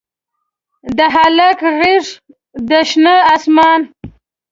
د هلک غیږ د شنه اسمان